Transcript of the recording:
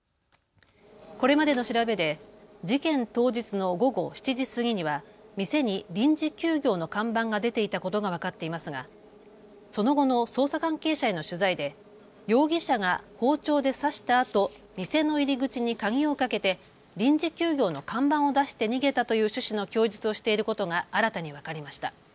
これまでの調べで事件当日の午後７時過ぎには店に臨時休業の看板が出ていたことが分かっていますがその後の捜査関係者への取材で容疑者が包丁で刺したあと店の入り口に鍵をかけて臨時休業の看板を出して逃げたという趣旨の供述をしていることが新たに分かりました。